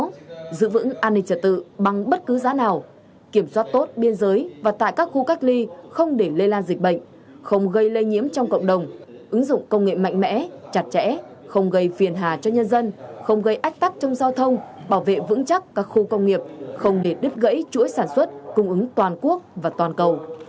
thủ tướng yêu cầu nhanh chóng khoanh vùng giữ vững an ninh trật tự bằng bất cứ giá nào kiểm soát tốt biên giới và tại các khu cách ly không để lây lan dịch bệnh không gây lây nhiễm trong cộng đồng ứng dụng công nghệ mạnh mẽ chặt chẽ không gây phiền hà cho nhân dân không gây ách tắc trong giao thông bảo vệ vững chắc các khu công nghiệp không để đứt gãy chuỗi sản xuất cung ứng toàn quốc và toàn cầu